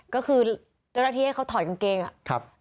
ก็คือเจ้าหน้าที่ให้เขาถอดกางเกง